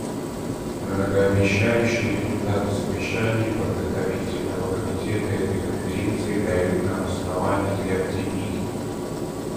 Многообещающие результаты совещания Подготовительного комитета этой Конференции дают нам основания для оптимизма.